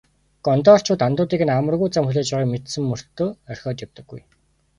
Гондорчууд андуудыг нь амаргүй зам хүлээж байгааг мэдсэн мөртөө орхиод явдаггүй.